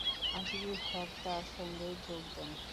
আজিজুল হক তার সঙ্গে যোগ দেন।